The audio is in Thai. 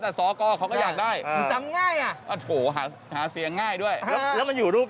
แต่สกเขาก็อยากได้มันจำง่ายอ่ะโอ้โหหาเสียงง่ายด้วยแล้วมันอยู่รูป